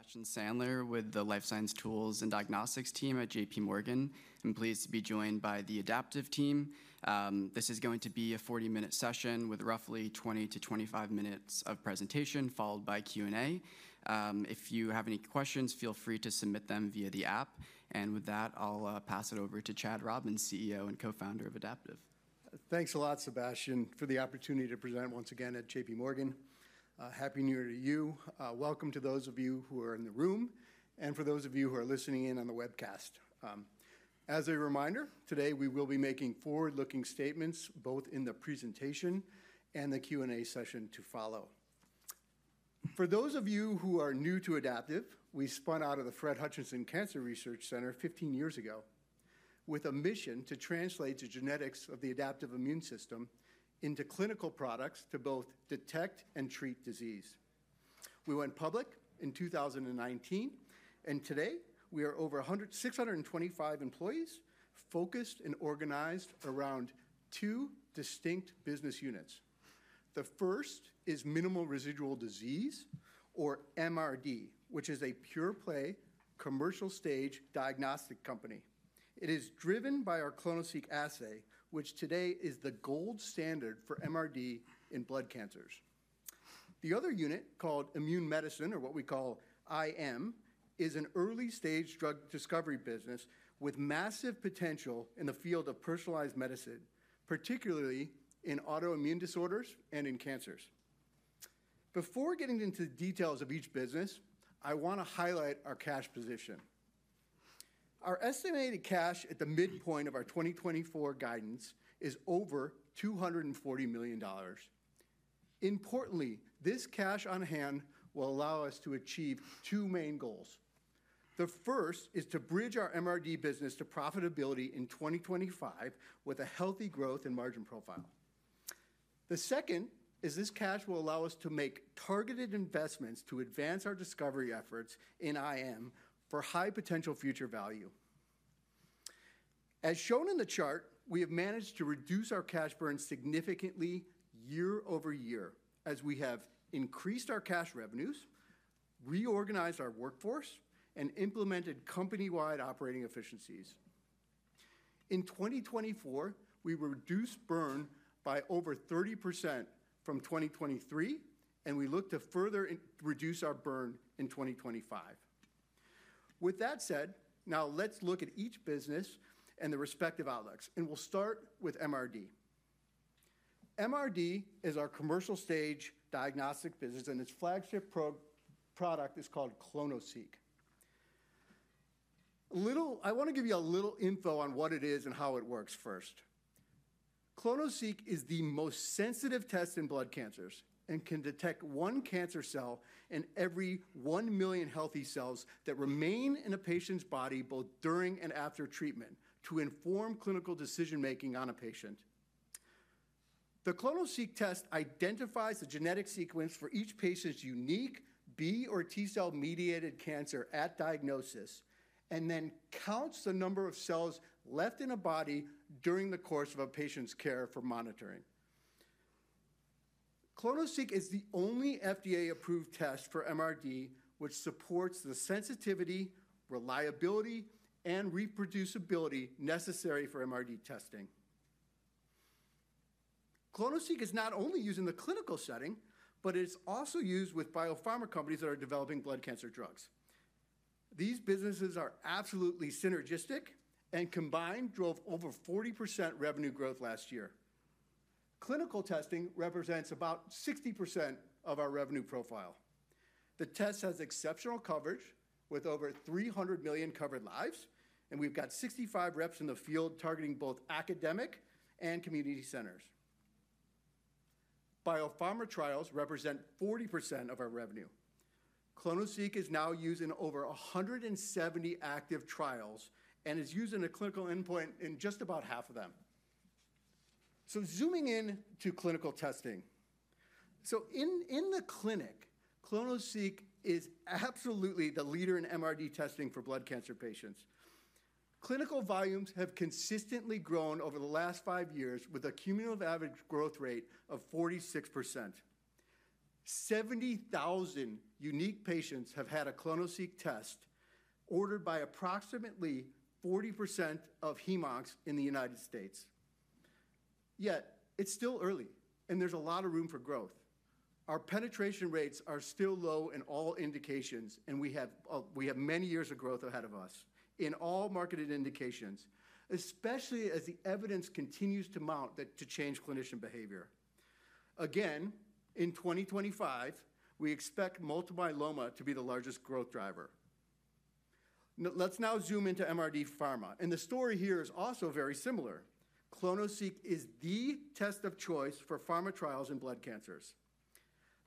Good evening, everyone. I'm Sebastian Sandler with the Life Science Tools and Diagnostics team at JPMorgan. I'm pleased to be joined by the Adaptive team. This is going to be a 40-minute session with roughly 20 to 25 minutes of presentation, followed by Q&A. If you have any questions, feel free to submit them via the app, and with that, I'll pass it over to Chad Robins, CEO and co-founder of Adaptive. Thanks a lot, Sebastian, for the opportunity to present once again at J.P. Morgan. Happy New Year to you. Welcome to those of you who are in the room and for those of you who are listening in on the webcast. As a reminder, today we will be making forward-looking statements both in the presentation and the Q&A session to follow. For those of you who are new to Adaptive, we spun out of the Fred Hutchinson Cancer Center 15 years ago with a mission to translate the genetics of the adaptive immune system into clinical products to both detect and treat disease. We went public in 2019, and today we are over 625 employees focused and organized around two distinct business units. The first is Minimal Residual Disease, or MRD, which is a pure-play commercial-stage diagnostic company. It is driven by our clonoSEQ assay, which today is the gold standard for MRD in blood cancers. The other unit, called Immune Medicine, or what we call IM, is an early-stage drug discovery business with massive potential in the field of personalized medicine, particularly in autoimmune disorders and in cancers. Before getting into the details of each business, I want to highlight our cash position. Our estimated cash at the midpoint of our 2024 guidance is over $240 million. Importantly, this cash on hand will allow us to achieve two main goals. The first is to bridge our MRD business to profitability in 2025 with a healthy growth and margin profile. The second is this cash will allow us to make targeted investments to advance our discovery efforts in IM for high potential future value. As shown in the chart, we have managed to reduce our cash burn significantly year over year as we have increased our cash revenues, reorganized our workforce, and implemented company-wide operating efficiencies. In 2024, we reduced burn by over 30% from 2023, and we look to further reduce our burn in 2025. With that said, now let's look at each business and the respective outlooks, and we'll start with MRD. MRD is our commercial-stage diagnostic business, and its flagship product is called clonoSEQ. I want to give you a little info on what it is and how it works first. clonoSEQ is the most sensitive test in blood cancers and can detect one cancer cell in every one million healthy cells that remain in a patient's body both during and after treatment to inform clinical decision-making on a patient. The clonoSEQ test identifies the genetic sequence for each patient's unique B or T cell mediated cancer at diagnosis and then counts the number of cells left in a body during the course of a patient's care for monitoring. clonoSEQ is the only FDA-approved test for MRD which supports the sensitivity, reliability, and reproducibility necessary for MRD testing. clonoSEQ is not only used in the clinical setting, but it is also used with biopharma companies that are developing blood cancer drugs. These businesses are absolutely synergistic and combined drove over 40% revenue growth last year. Clinical testing represents about 60% of our revenue profile. The test has exceptional coverage with over 300 million covered lives, and we've got 65 reps in the field targeting both academic and community centers. Biopharma trials represent 40% of our revenue. clonoSEQ is now used in over 170 active trials and is used in a clinical endpoint in just about half of them. So zooming in to clinical testing. So in the clinic, clonoSEQ is absolutely the leader in MRD testing for blood cancer patients. Clinical volumes have consistently grown over the last five years with a cumulative average growth rate of 46%. 70,000 unique patients have had a clonoSEQ test ordered by approximately 40% of hem-oncs in the United States. Yet it's still early, and there's a lot of room for growth. Our penetration rates are still low in all indications, and we have many years of growth ahead of us in all marketed indications, especially as the evidence continues to mount to change clinician behavior. Again, in 2025, we expect multiple myeloma to be the largest growth driver. Let's now zoom into MRD pharma. The story here is also very similar. clonoSEQ is the test of choice for pharma trials in blood cancers.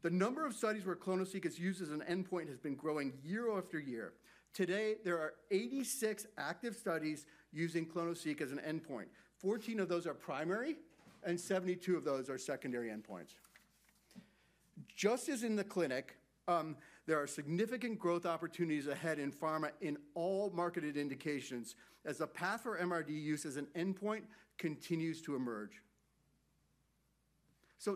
The number of studies where clonoSEQ is used as an endpoint has been growing year after year. Today, there are 86 active studies using clonoSEQ as an endpoint. 14 of those are primary, and 72 of those are secondary endpoints. Just as in the clinic, there are significant growth opportunities ahead in pharma in all marketed indications as the path for MRD use as an endpoint continues to emerge.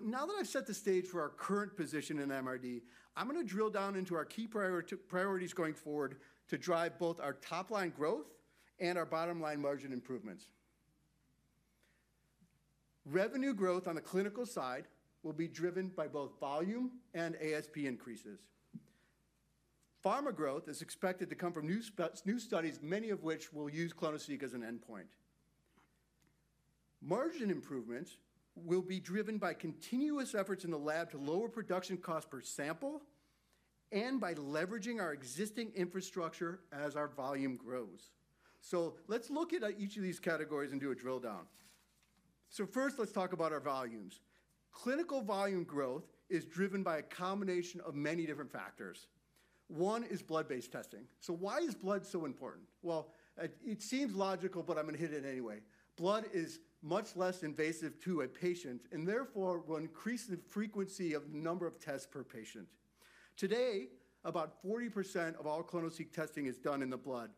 Now that I've set the stage for our current position in MRD, I'm going to drill down into our key priorities going forward to drive both our top-line growth and our bottom-line margin improvements. Revenue growth on the clinical side will be driven by both volume and ASP increases. Pharma growth is expected to come from new studies, many of which will use clonoSEQ as an endpoint. Margin improvements will be driven by continuous efforts in the lab to lower production costs per sample and by leveraging our existing infrastructure as our volume grows. So let's look at each of these categories and do a drill down. So first, let's talk about our volumes. Clinical volume growth is driven by a combination of many different factors. One is blood-based testing. So why is blood so important? Well, it seems logical, but I'm going to hit it anyway. Blood is much less invasive to a patient and therefore will increase the frequency of the number of tests per patient. Today, about 40% of all clonoSEQ testing is done in the blood.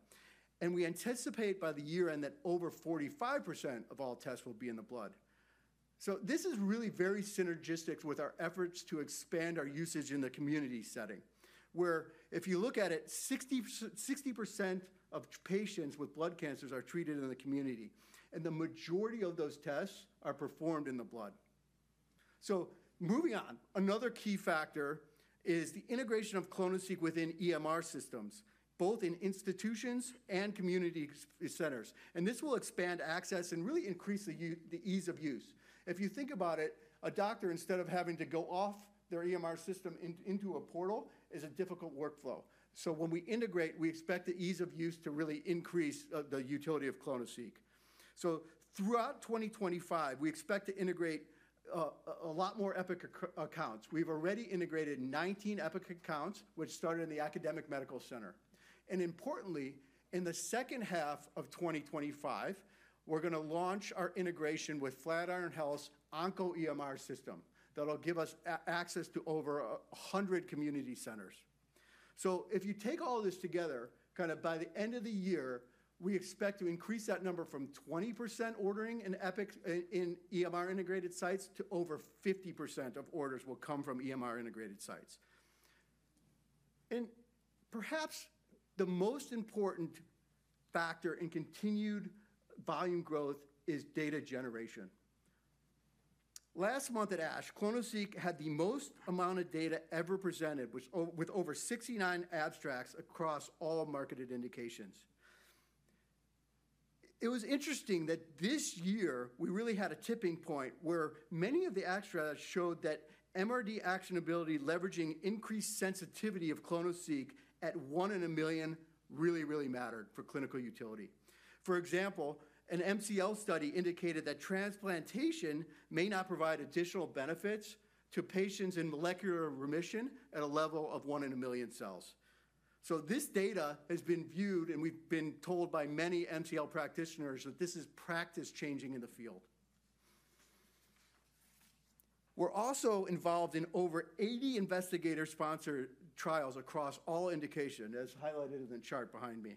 And we anticipate by the year-end that over 45% of all tests will be in the blood. This is really very synergistic with our efforts to expand our usage in the community setting, where if you look at it, 60% of patients with blood cancers are treated in the community, and the majority of those tests are performed in the blood. Moving on, another key factor is the integration of clonoSEQ within EMR systems, both in institutions and community centers. This will expand access and really increase the ease of use. If you think about it, a doctor, instead of having to go off their EMR system into a portal, is a difficult workflow. When we integrate, we expect the ease of use to really increase the utility of clonoSEQ. Throughout 2025, we expect to integrate a lot more Epic accounts. We've already integrated 19 Epic accounts, which started in the academic medical center. And importantly, in the second half of 2025, we're going to launch our integration with Flatiron Health's OncoEMR system that will give us access to over 100 community centers. So if you take all this together, kind of by the end of the year, we expect to increase that number from 20% ordering in EMR-integrated sites to over 50% of orders will come from EMR-integrated sites. And perhaps the most important factor in continued volume growth is data generation. Last month at ASH, clonoSEQ had the most amount of data ever presented, with over 69 abstracts across all marketed indications. It was interesting that this year we really had a tipping point where many of the abstracts showed that MRD actionability, leveraging increased sensitivity of clonoSEQ at one in a million, really, really mattered for clinical utility. For example, an MCL study indicated that transplantation may not provide additional benefits to patients in molecular remission at a level of one in a million cells. So this data has been viewed, and we've been told by many MCL practitioners that this is practice-changing in the field. We're also involved in over 80 investigator-sponsored trials across all indications, as highlighted in the chart behind me.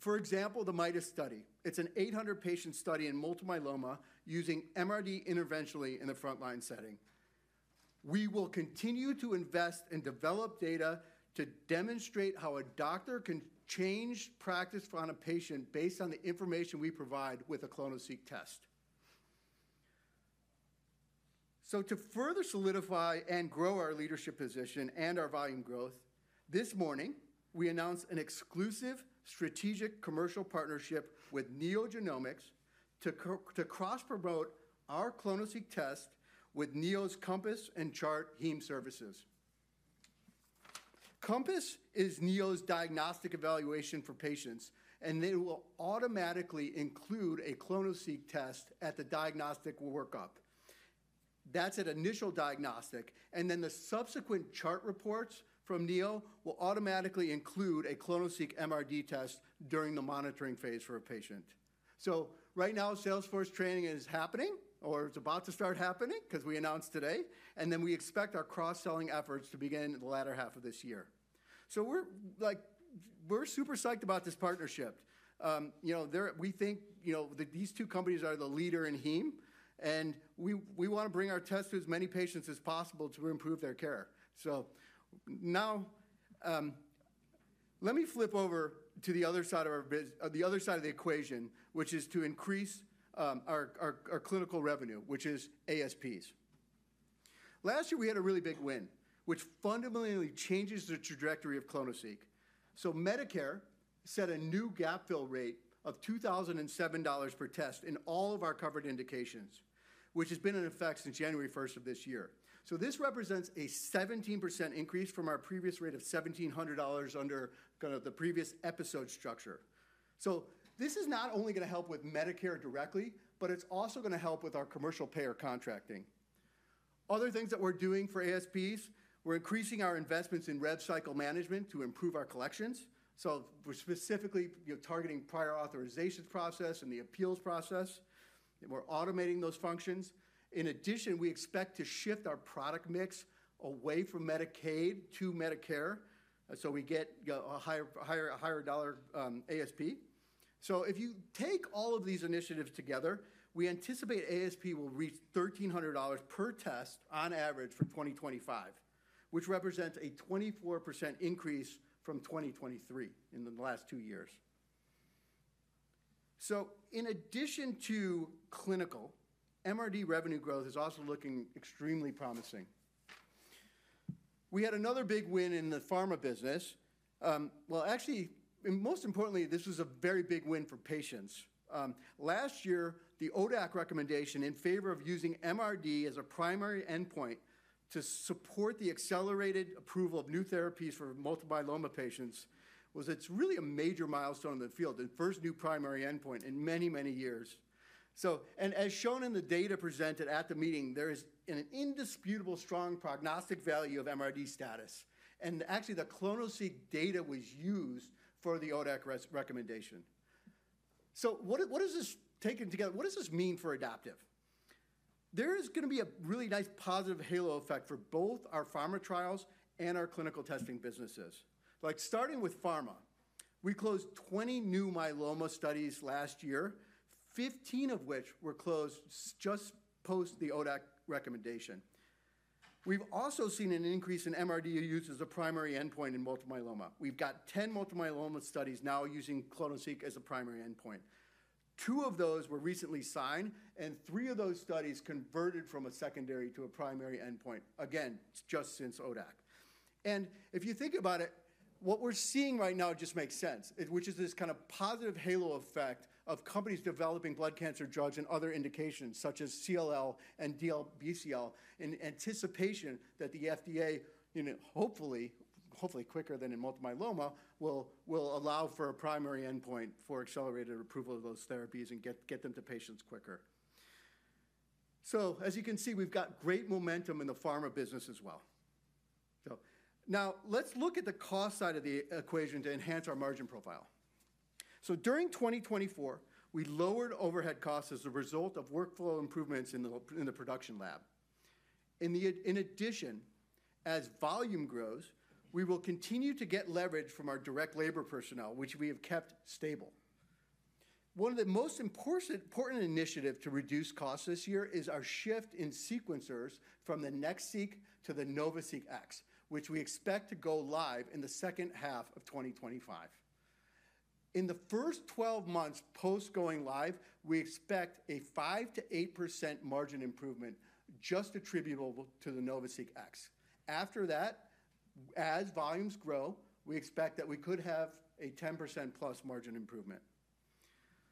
For example, the MIDAS study. It's an 800-patient study in multiple myeloma using MRD interventionally in the frontline setting. We will continue to invest and develop data to demonstrate how a doctor can change practice on a patient based on the information we provide with a clonoSEQ test. To further solidify and grow our leadership position and our volume growth, this morning we announced an exclusive strategic commercial partnership with NeoGenomics to cross-promote our clonoSEQ test with Neo's Compass and Chart Heme services. Compass is Neo's diagnostic evaluation for patients, and they will automatically include a clonoSEQ test at the diagnostic workup. That's an initial diagnostic. Then the subsequent chart reports from Neo will automatically include a clonoSEQ MRD test during the monitoring phase for a patient. Right now, Salesforce training is happening, or it's about to start happening because we announced today. Then we expect our cross-selling efforts to begin in the latter half of this year. We're super psyched about this partnership. We think these two companies are the leader in heme, and we want to bring our test to as many patients as possible to improve their care. So now let me flip over to the other side of the equation, which is to increase our clinical revenue, which is ASPs. Last year, we had a really big win, which fundamentally changes the trajectory of clonoSEQ. So Medicare set a new gap fill rate of $2,007 per test in all of our covered indications, which has been in effect since January 1st of this year. So this represents a 17% increase from our previous rate of $1,700 under the previous episode structure. So this is not only going to help with Medicare directly, but it's also going to help with our commercial payer contracting. Other things that we're doing for ASPs. We're increasing our investments in rev cycle management to improve our collections. So we're specifically targeting prior authorization process and the appeals process. We're automating those functions. In addition, we expect to shift our product mix away from Medicaid to Medicare so we get a higher dollar ASP. So if you take all of these initiatives together, we anticipate ASP will reach $1,300 per test on average for 2025, which represents a 24% increase from 2023 in the last two years. So in addition to clinical, MRD revenue growth is also looking extremely promising. We had another big win in the pharma business. Well, actually, most importantly, this was a very big win for patients. Last year, the ODAC recommendation in favor of using MRD as a primary endpoint to support the accelerated approval of new therapies for multiple myeloma patients was really a major milestone in the field, the first new primary endpoint in many, many years. And as shown in the data presented at the meeting, there is an indisputable strong prognostic value of MRD status. And actually, the clonoSEQ data was used for the ODAC recommendation. So what does this take together? What does this mean for Adaptive? There is going to be a really nice positive halo effect for both our pharma trials and our clinical testing businesses. Starting with pharma, we closed 20 new myeloma studies last year, 15 of which were closed just post the ODAC recommendation. We've also seen an increase in MRD use as a primary endpoint in multiple myeloma. We've got 10 multiple myeloma studies now using clonoSEQ as a primary endpoint. Two of those were recently signed, and three of those studies converted from a secondary to a primary endpoint, again, just since ODAC, and if you think about it, what we're seeing right now just makes sense, which is this kind of positive halo effect of companies developing blood cancer drugs and other indications such as CLL and DLBCL in anticipation that the FDA, hopefully quicker than in multiple myeloma, will allow for a primary endpoint for accelerated approval of those therapies and get them to patients quicker, so as you can see, we've got great momentum in the pharma business as well. Now, let's look at the cost side of the equation to enhance our margin profile, so during 2024, we lowered overhead costs as a result of workflow improvements in the production lab. In addition, as volume grows, we will continue to get leverage from our direct labor personnel, which we have kept stable. One of the most important initiatives to reduce costs this year is our shift in sequencers from the NextSeq to the NovaSeq X, which we expect to go live in the second half of 2025. In the first 12 months post-going live, we expect a 5%-8% margin improvement just attributable to the NovaSeq X. After that, as volumes grow, we expect that we could have a 10% plus margin improvement.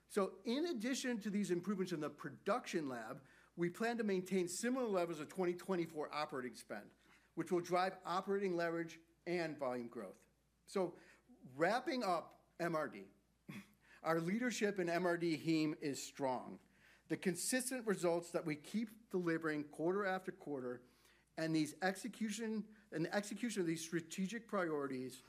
So in addition to these improvements in the production lab, we plan to maintain similar levels of 2024 operating spend, which will drive operating leverage and volume growth. So wrapping up MRD, our leadership in MRD heme is strong. The consistent results that we keep delivering quarter after quarter and the execution of these strategic priorities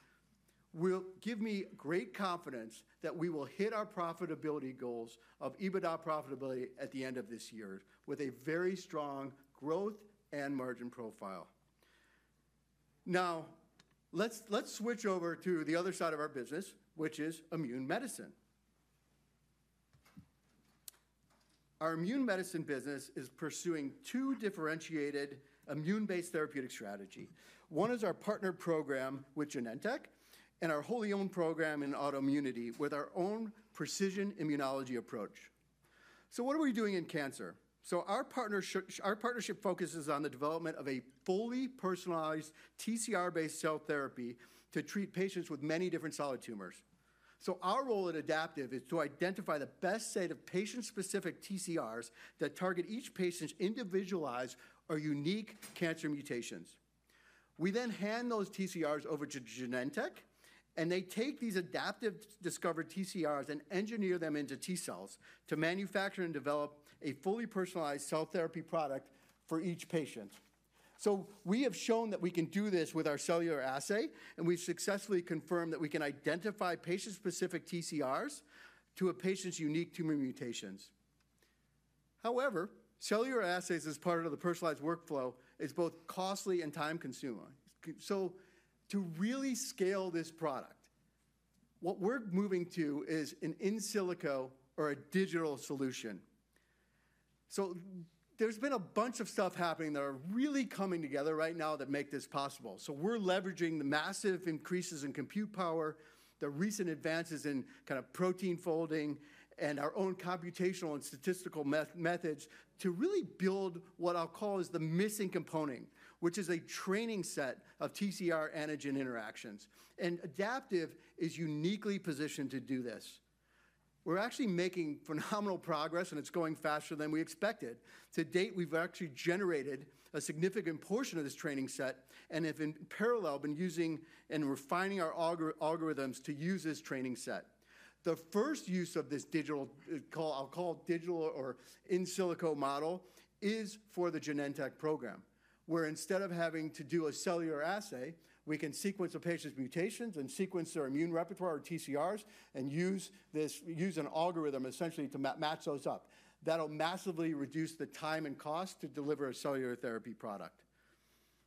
will give me great confidence that we will hit our profitability goals of EBITDA profitability at the end of this year with a very strong growth and margin profile. Now, let's switch over to the other side of our business, which is immune medicine. Our immune medicine business is pursuing two differentiated immune-based therapeutic strategies. One is our partner program with Genentech and our wholly owned program in autoimmunity with our own precision immunology approach. So what are we doing in cancer? So our partnership focuses on the development of a fully personalized TCR-based cell therapy to treat patients with many different solid tumors. So our role at Adaptive is to identify the best set of patient-specific TCRs that target each patient's individualized or unique cancer mutations. We then hand those TCRs over to Genentech, and they take these Adaptive discovered TCRs and engineer them into T cells to manufacture and develop a fully personalized cell therapy product for each patient. So we have shown that we can do this with our cellular assay, and we've successfully confirmed that we can identify patient-specific TCRs to a patient's unique tumor mutations. However, cellular assays as part of the personalized workflow is both costly and time-consuming. So to really scale this product, what we're moving to is an in silico or a digital solution. So there's been a bunch of stuff happening that are really coming together right now that make this possible. So we're leveraging the massive increases in compute power, the recent advances in kind of protein folding, and our own computational and statistical methods to really build what I'll call is the missing component, which is a training set of TCR antigen interactions. And Adaptive is uniquely positioned to do this. We're actually making phenomenal progress, and it's going faster than we expected. To date, we've actually generated a significant portion of this training set and have in parallel been using and refining our algorithms to use this training set. The first use of this digital, I'll call digital or in silico model is for the Genentech program, where instead of having to do a cellular assay, we can sequence a patient's mutations and sequence their immune repertoire or TCRs and use an algorithm essentially to match those up. That'll massively reduce the time and cost to deliver a cellular therapy product.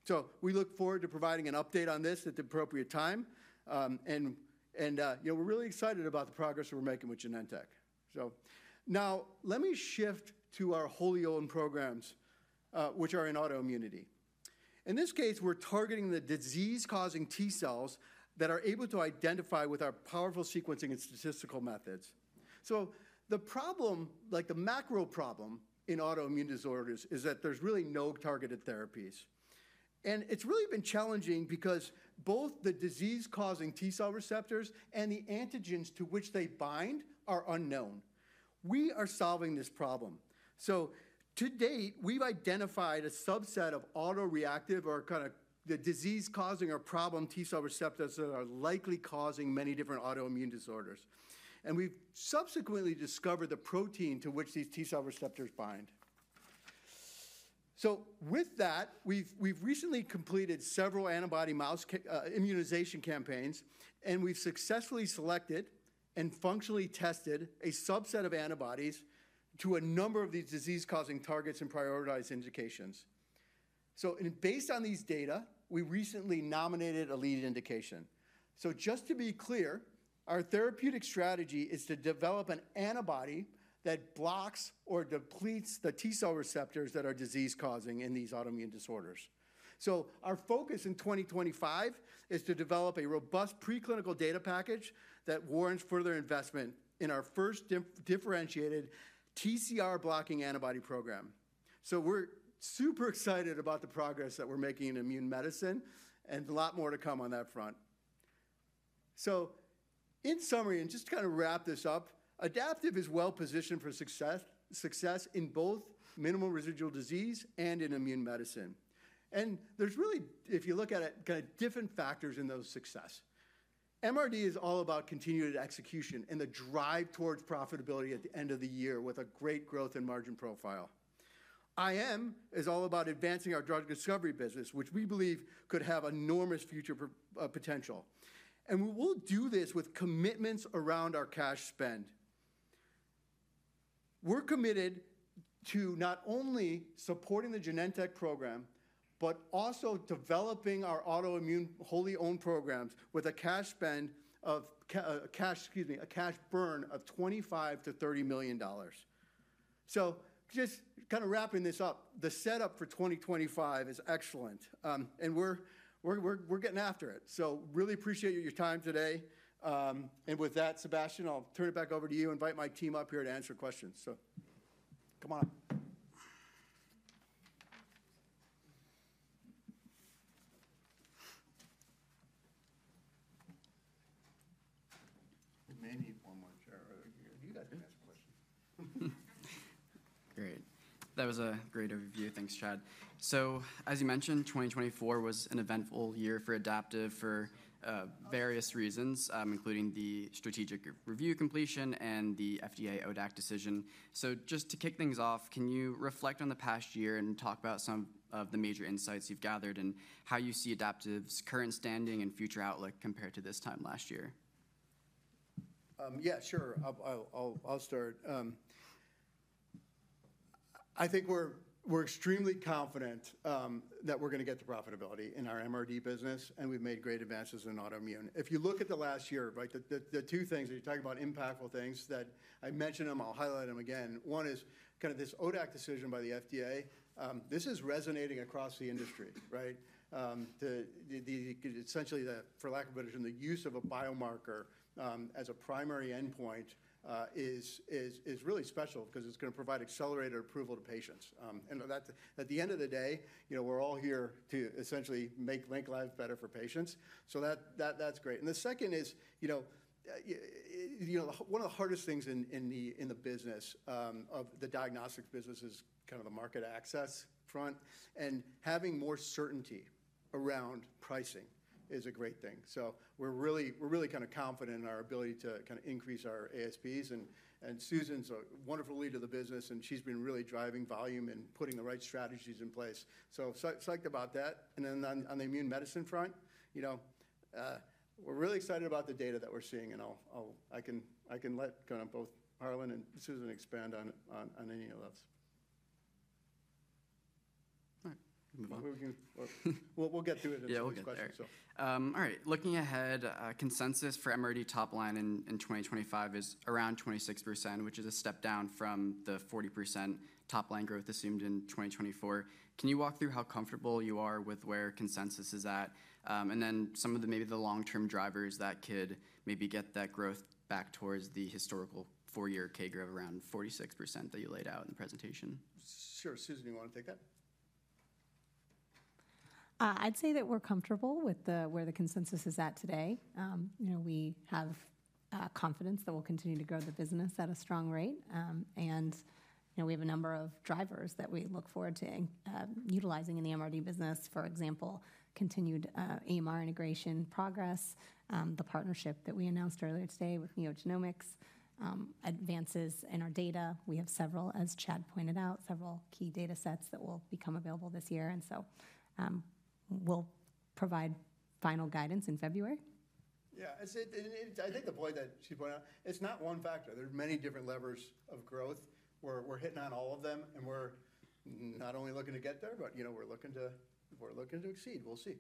So we look forward to providing an update on this at the appropriate time. And we're really excited about the progress we're making with Genentech. So now let me shift to our wholly owned programs, which are in autoimmunity. In this case, we're targeting the disease-causing T cells that are able to identify with our powerful sequencing and statistical methods. So the problem, like the macro problem in autoimmune disorders, is that there's really no targeted therapies. And it's really been challenging because both the disease-causing T cell receptors and the antigens to which they bind are unknown. We are solving this problem. So to date, we've identified a subset of autoreactive or kind of the disease-causing or problem T cell receptors that are likely causing many different autoimmune disorders. We’ve subsequently discovered the protein to which these T-cell receptors bind. With that, we’ve recently completed several antibody immunization campaigns, and we’ve successfully selected and functionally tested a subset of antibodies to a number of these disease-causing targets and prioritized indications. Based on these data, we recently nominated a lead indication. Just to be clear, our therapeutic strategy is to develop an antibody that blocks or depletes the T-cell receptors that are disease-causing in these autoimmune disorders. Our focus in 2025 is to develop a robust preclinical data package that warrants further investment in our first differentiated TCR-blocking antibody program. We’re super excited about the progress that we’re making in Immune Medicine and a lot more to come on that front. So in summary, and just to kind of wrap this up, Adaptive is well positioned for success in both minimal residual disease and in immune medicine. And there's really, if you look at it, kind of different factors in those success. MRD is all about continued execution and the drive towards profitability at the end of the year with a great growth in margin profile. IM is all about advancing our drug discovery business, which we believe could have enormous future potential. And we will do this with commitments around our cash spend. We're committed to not only supporting the Genentech program, but also developing our autoimmune wholly owned programs with a cash spend of, excuse me, a cash burn of $25-$30 million. So just kind of wrapping this up, the setup for 2025 is excellent, and we're getting after it. So really appreciate your time today. And with that, Sebastian, I'll turn it back over to you, invite my team up here to answer questions. So come on up. Maybe one more chair over here. You guys can ask questions. Great. That was a great overview. Thanks, Chad. So as you mentioned, 2024 was an eventful year for Adaptive for various reasons, including the strategic review completion and the FDA ODAC decision. So just to kick things off, can you reflect on the past year and talk about some of the major insights you've gathered and how you see Adaptive's current standing and future outlook compared to this time last year? Yeah, sure. I'll start. I think we're extremely confident that we're going to get to profitability in our MRD business, and we've made great advances in autoimmune. If you look at the last year, the two things that you're talking about, impactful things that I mentioned them, I'll highlight them again. One is kind of this ODAC decision by the FDA. This is resonating across the industry. Essentially, for lack of a better term, the use of a biomarker as a primary endpoint is really special because it's going to provide accelerated approval to patients. And at the end of the day, we're all here to essentially make life better for patients. So that's great. And the second is one of the hardest things in the business of the diagnostics business is kind of the market access front. And having more certainty around pricing is a great thing. So we're really kind of confident in our ability to kind of increase our ASPs. And Susan's a wonderful lead of the business, and she's been really driving volume and putting the right strategies in place. So I'm psyched about that. And then on the Immune Medicine front, we're really excited about the data that we're seeing. And I can let kind of both Harlan and Susan expand on any of those. All right. We'll get through it if there's questions. Yeah. [inaudible] All right. Looking ahead, consensus for MRD top line in 2025 is around 26%, which is a step down from the 40% top line growth assumed in 2024. Can you walk through how comfortable you are with where consensus is at? And then some of the maybe the long-term drivers that could maybe get that growth back towards the historical four-year CAGR growth around 46% that you laid out in the presentation? Sure. Susan, do you want to take that? I'd say that we're comfortable with where the consensus is at today. We have confidence that we'll continue to grow the business at a strong rate. We have a number of drivers that we look forward to utilizing in the MRD business. For example, continued EMR integration progress, the partnership that we announced earlier today with NeoGenomics, advances in our data. We have several, as Chad pointed out, several key data sets that will become available this year. We'll provide final guidance in February. Yeah. I think the point that she pointed out, it's not one factor. There are many different levers of growth. We're hitting on all of them, and we're not only looking to get there, but we're looking to exceed. We'll see.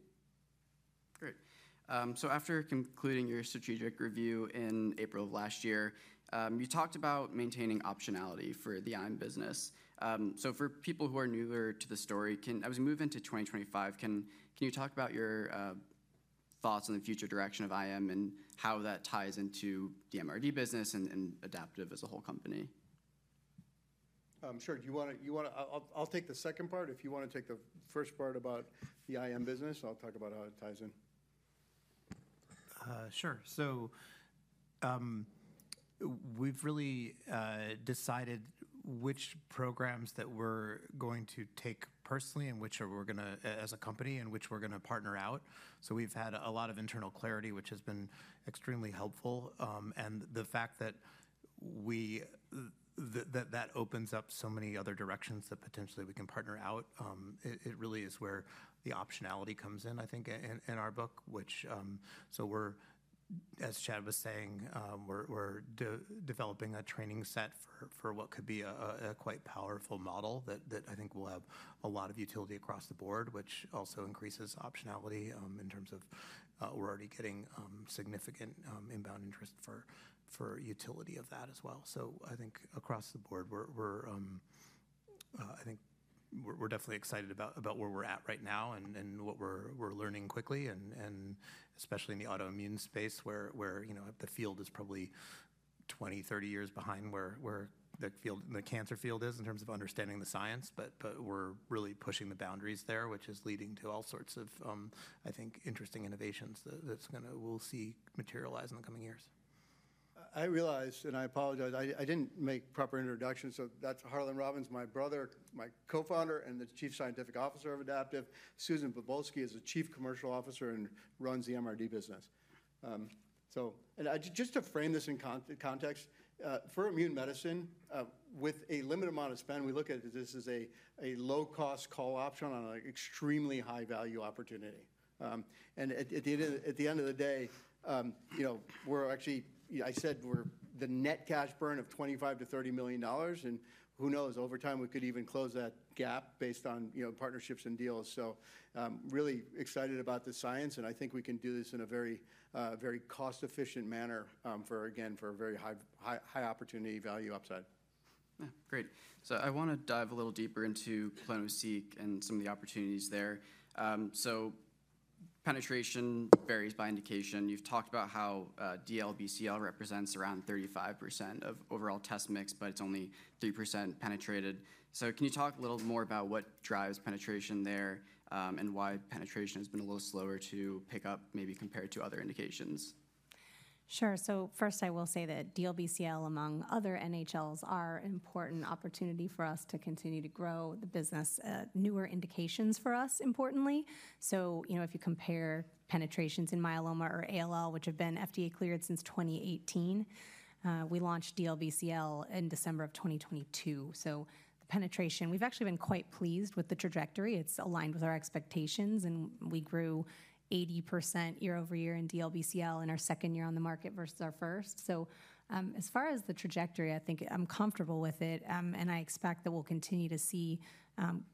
Great. So after concluding your strategic review in April of last year, you talked about maintaining optionality for the IM business. So for people who are newer to the story, as we move into 2025, can you talk about your thoughts on the future direction of IM and how that ties into the MRD business and Adaptive as a whole company? Sure. I'll take the second part. If you want to take the first part about the IM business, I'll talk about how it ties in. Sure. So we've really decided which programs that we're going to take personally and which we're going to, as a company, and which we're going to partner out. So we've had a lot of internal clarity, which has been extremely helpful. And the fact that that opens up so many other directions that potentially we can partner out, it really is where the optionality comes in, I think, in our book. So as Chad was saying, we're developing a training set for what could be a quite powerful model that I think will have a lot of utility across the board, which also increases optionality in terms of we're already getting significant inbound interest for utility of that as well. So I think across the board, I think we're definitely excited about where we're at right now and what we're learning quickly, and especially in the autoimmune space where the field is probably 20-30 years behind where the cancer field is in terms of understanding the science. But we're really pushing the boundaries there, which is leading to all sorts of, I think, interesting innovations that we'll see materialize in the coming years. I realized, and I apologize, I didn't make proper introduction. So that's Harlan Robins, my brother, my co-founder, and the Chief Scientific Officer of Adaptive. Susan Bobulsky is the Chief Commercial Officer and runs the MRD business. And just to frame this in context, for immune medicine, with a limited amount of spend, we look at it as this is a low-cost call option on an extremely high-value opportunity. And at the end of the day, I said we're the net cash burn of $25-$30 million. And who knows, over time, we could even close that gap based on partnerships and deals. So really excited about the science, and I think we can do this in a very cost-efficient manner, again, for a very high opportunity value upside. Great. So I want to dive a little deeper into clonoSEQ and some of the opportunities there. So penetration varies by indication. You've talked about how DLBCL represents around 35% of overall test mix, but it's only 3% penetrated. So can you talk a little more about what drives penetration there and why penetration has been a little slower to pick up maybe compared to other indications? Sure. So first, I will say that DLBCL, among other NHLs, are an important opportunity for us to continue to grow the business. Newer indications for us, importantly. So if you compare penetrations in myeloma or ALL, which have been FDA cleared since 2018, we launched DLBCL in December of 2022. So penetration, we've actually been quite pleased with the trajectory. It's aligned with our expectations, and we grew 80% year over year in DLBCL in our second year on the market versus our first. As far as the trajectory, I think I'm comfortable with it, and I expect that we'll continue to see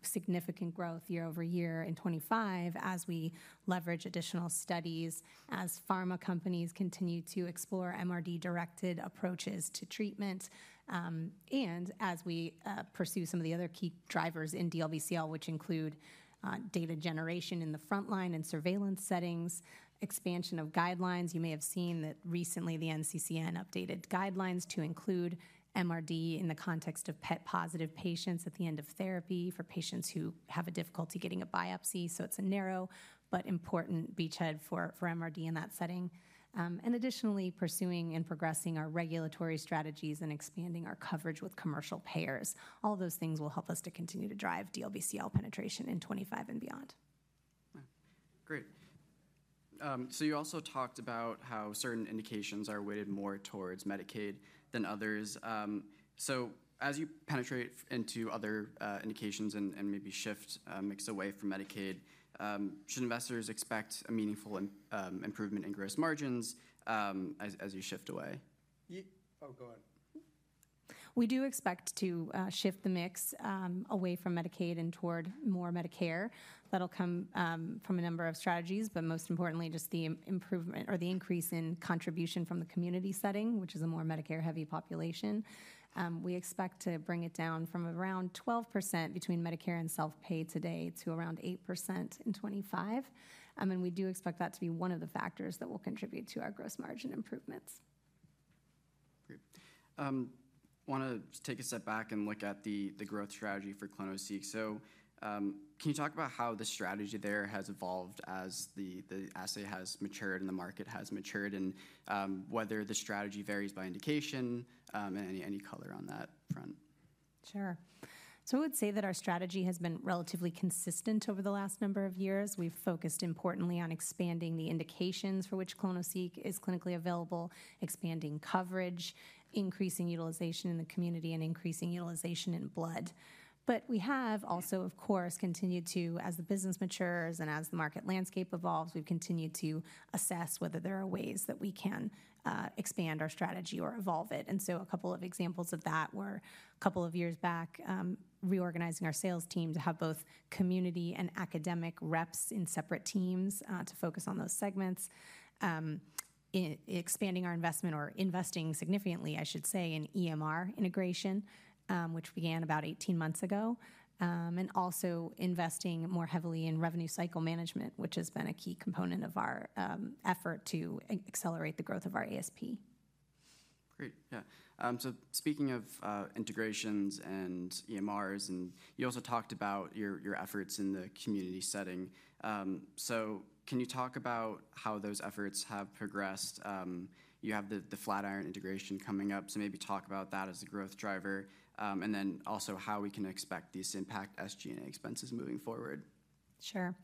significant growth year over year in 2025 as we leverage additional studies, as pharma companies continue to explore MRD-directed approaches to treatment, and as we pursue some of the other key drivers in DLBCL, which include data generation in the frontline and surveillance settings, expansion of guidelines. You may have seen that recently the NCCN updated guidelines to include MRD in the context of PET-positive patients at the end of therapy for patients who have difficulty getting a biopsy. It's a narrow but important beachhead for MRD in that setting. Additionally, pursuing and progressing our regulatory strategies and expanding our coverage with commercial payers. All those things will help us to continue to drive DLBCL penetration in 2025 and beyond. Great. So you also talked about how certain indications are weighted more towards Medicaid than others. So as you penetrate into other indications and maybe shift mix away from Medicaid, should investors expect a meaningful improvement in gross margins as you shift away? Oh, go ahead. We do expect to shift the mix away from Medicaid and toward more Medicare. That'll come from a number of strategies, but most importantly, just the improvement or the increase in contribution from the community setting, which is a more Medicare-heavy population. We expect to bring it down from around 12% between Medicare and self-pay today to around 8% in 2025, and we do expect that to be one of the factors that will contribute to our gross margin improvements. Great. I want to take a step back and look at the growth strategy for clonoSEQ. So can you talk about how the strategy there has evolved as the assay has matured and the market has matured and whether the strategy varies by indication and any color on that front? Sure. So I would say that our strategy has been relatively consistent over the last number of years. We've focused importantly on expanding the indications for which clonoSEQ is clinically available, expanding coverage, increasing utilization in the community, and increasing utilization in blood. But we have also, of course, continued to, as the business matures and as the market landscape evolves, we've continued to assess whether there are ways that we can expand our strategy or evolve it. A couple of examples of that were a couple of years back reorganizing our sales team to have both community and academic reps in separate teams to focus on those segments, expanding our investment or investing significantly, I should say, in EMR integration, which began about 18 months ago, and also investing more heavily in revenue cycle management, which has been a key component of our effort to accelerate the growth of our ASP. Great. Yeah. So speaking of integrations and EMRs, and you also talked about your efforts in the community setting. So can you talk about how those efforts have progressed? You have the Flatiron integration coming up, so maybe talk about that as a growth driver and then also how we can expect these to impact SG&A expenses moving forward. Sure.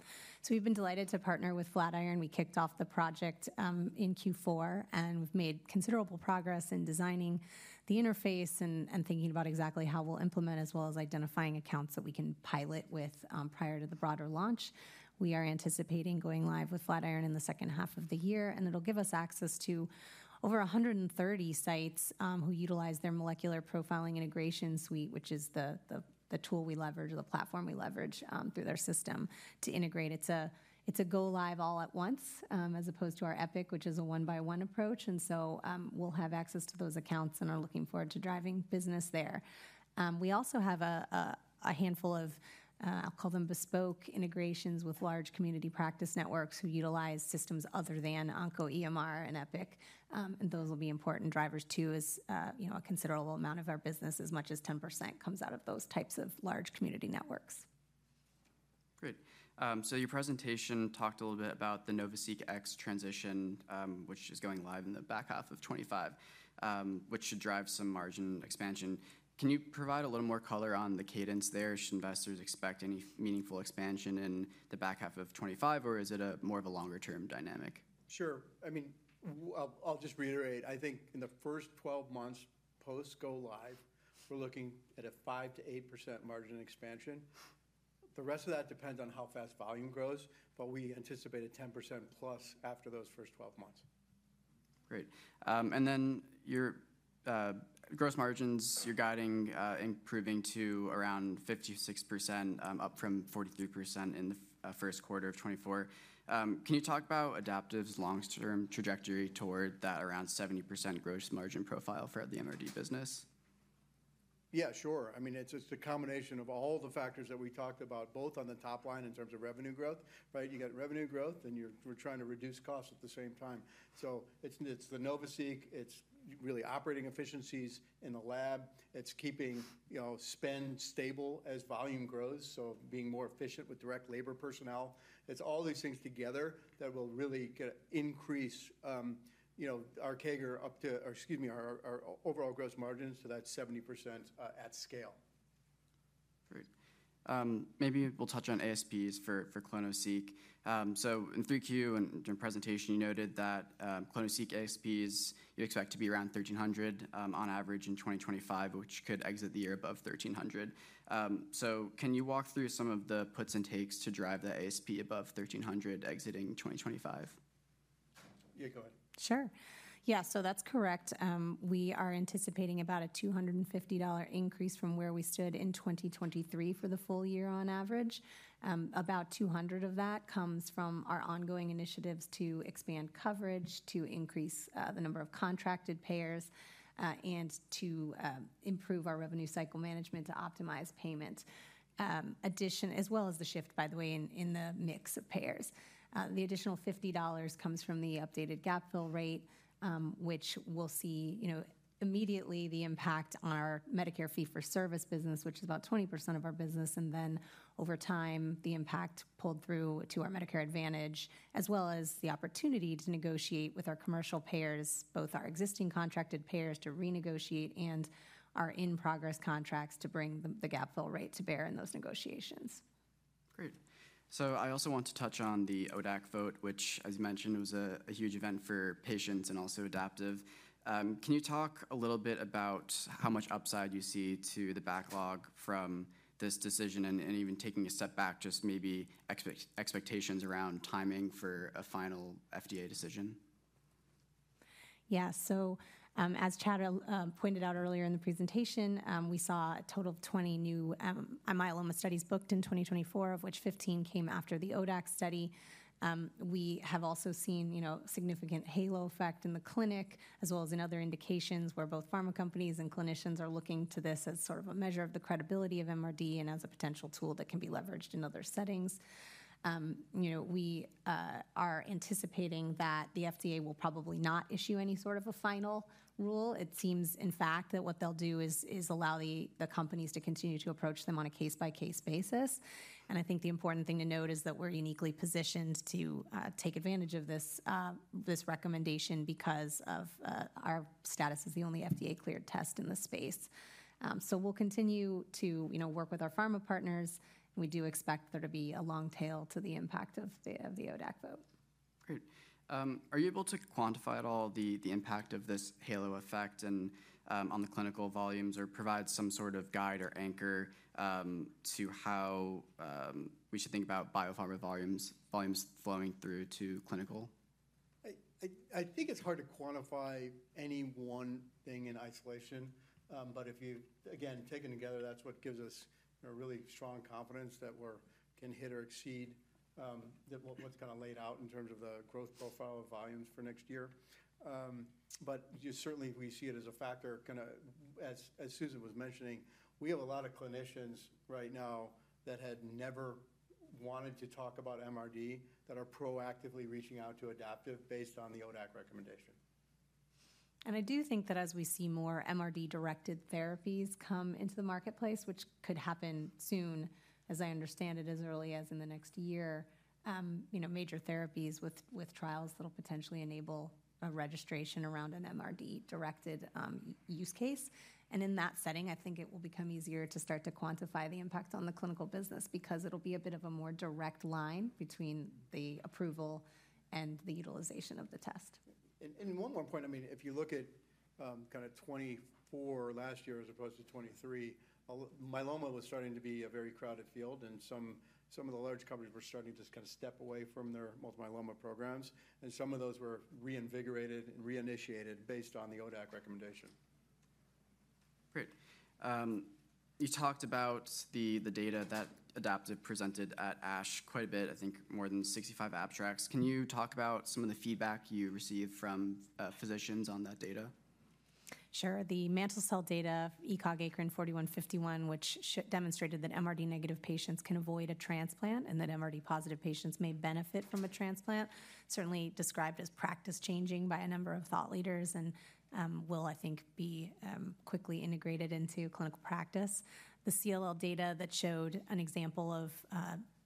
So we've been delighted to partner with Flatiron. We kicked off the project in Q4, and we've made considerable progress in designing the interface and thinking about exactly how we'll implement as well as identifying accounts that we can pilot with prior to the broader launch. We are anticipating going live with Flatiron in the second half of the year, and it'll give us access to over 130 sites who utilize their molecular profiling integration suite, which is the tool we leverage, the platform we leverage through their system to integrate. It's a go-live all at once as opposed to our Epic, which is a one-by-one approach, and so we'll have access to those accounts and are looking forward to driving business there. We also have a handful of, I'll call them bespoke integrations with large community practice networks who utilize systems other than OncoEMR and Epic. Those will be important drivers too as a considerable amount of our business, as much as 10%, comes out of those types of large community networks. Great. So your presentation talked a little bit about the NovaSeq X transition, which is going live in the back half of 2025, which should drive some margin expansion. Can you provide a little more color on the cadence there? Should investors expect any meaningful expansion in the back half of 2025, or is it more of a longer-term dynamic? Sure. I mean, I'll just reiterate. I think in the first 12 months post go-live, we're looking at a 5%-8% margin expansion. The rest of that depends on how fast volume grows, but we anticipate a 10% plus after those first 12 months. Great. And then your gross margins, you're guiding improving to around 56%, up from 43% in the first quarter of 2024. Can you talk about Adaptive's long-term trajectory toward that around 70% gross margin profile for the MRD business? Yeah, sure. I mean, it's a combination of all the factors that we talked about, both on the top line in terms of revenue growth. You got revenue growth, and we're trying to reduce costs at the same time. So it's the NovaSeq, it's really operating efficiencies in the lab, it's keeping spend stable as volume grows, so being more efficient with direct labor personnel. It's all these things together that will really increase our overall gross margin to that 70% at scale. Great. Maybe we'll touch on ASPs for clonoSEQ. So in 3Q and during presentation, you noted that clonoSEQ ASPs, you expect to be around $1,300 on average in 2025, which could exit the year above $1,300. So can you walk through some of the puts and takes to drive the ASP above $1,300 exiting 2025? Yeah, go ahead. Sure. Yeah, so that's correct. We are anticipating about a $250 increase from where we stood in 2023 for the full year on average. About $200 of that comes from our ongoing initiatives to expand coverage, to increase the number of contracted payers, and to improve our revenue cycle management to optimize payments, as well as the shift, by the way, in the mix of payers. The additional $50 comes from the updated gap fill rate, which we'll see immediately, the impact on our Medicare fee-for-service business, which is about 20% of our business. And then over time, the impact pulled through to our Medicare Advantage, as well as the opportunity to negotiate with our commercial payers, both our existing contracted payers to renegotiate and our in-progress contracts to bring the gap fill rate to bear in those negotiations. Great. So I also want to touch on the ODAC vote, which, as you mentioned, was a huge event for patients and also Adaptive. Can you talk a little bit about how much upside you see to the backlog from this decision and even taking a step back, just maybe expectations around timing for a final FDA decision? Yeah. So as Chad pointed out earlier in the presentation, we saw a total of 20 new myeloma studies booked in 2024, of which 15 came after the ODAC study. We have also seen significant halo effect in the clinic, as well as in other indications where both pharma companies and clinicians are looking to this as sort of a measure of the credibility of MRD and as a potential tool that can be leveraged in other settings. We are anticipating that the FDA will probably not issue any sort of a final rule. It seems, in fact, that what they'll do is allow the companies to continue to approach them on a case-by-case basis. And I think the important thing to note is that we're uniquely positioned to take advantage of this recommendation because of our status as the only FDA-cleared test in the space. So we'll continue to work with our pharma partners. We do expect there to be a long tail to the impact of the ODAC vote. Great. Are you able to quantify at all the impact of this halo effect on the clinical volumes or provide some sort of guide or anchor to how we should think about biopharma volumes flowing through to clinical? I think it's hard to quantify any one thing in isolation, but if you, again, taken together, that's what gives us really strong confidence that we can hit or exceed what's kind of laid out in terms of the growth profile of volumes for next year. But certainly, we see it as a factor. As Susan was mentioning, we have a lot of clinicians right now that had never wanted to talk about MRD that are proactively reaching out to Adaptive based on the ODAC recommendation. And I do think that as we see more MRD-directed therapies come into the marketplace, which could happen soon, as I understand it, as early as in the next year, major therapies with trials that will potentially enable a registration around an MRD-directed use case. And in that setting, I think it will become easier to start to quantify the impact on the clinical business because it'll be a bit of a more direct line between the approval and the utilization of the test. And one more point. I mean, if you look at kind of 2024 last year as opposed to 2023, myeloma was starting to be a very crowded field, and some of the large companies were starting to kind of step away from their multi-myeloma programs. And some of those were reinvigorated and reinitiated based on the ODAC recommendation. Great. You talked about the data that Adaptive presented at ASH quite a bit, I think more than 65 abstracts. Can you talk about some of the feedback you received from physicians on that data? Sure. The mantle cell data, ECOG-ACRIN 4151, which demonstrated that MRD-negative patients can avoid a transplant and that MRD-positive patients may benefit from a transplant, certainly described as practice-changing by a number of thought leaders and will, I think, be quickly integrated into clinical practice. The CLL data that showed an example of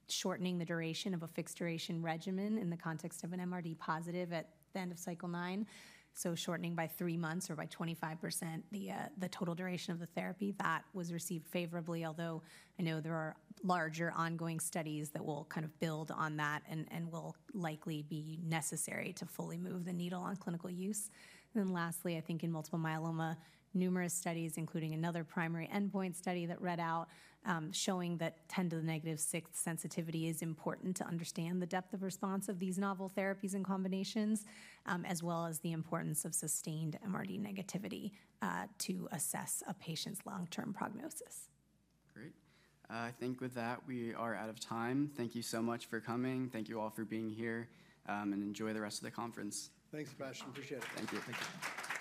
shortening the duration of a fixed-duration regimen in the context of an MRD positive at the end of cycle nine, so shortening by three months or by 25% the total duration of the therapy, that was received favorably, although I know there are larger ongoing studies that will kind of build on that and will likely be necessary to fully move the needle on clinical use. And then lastly, I think in multiple myeloma, numerous studies, including another primary endpoint study that read out, showing that 10 to the negative sixth sensitivity is important to understand the depth of response of these novel therapies and combinations, as well as the importance of sustained MRD negativity to assess a patient's long-term prognosis. Great. I think with that, we are out of time. Thank you so much for coming. Thank you all for being here, and enjoy the rest of the conference. Thanks, Sebastian. Appreciate it. Thank you.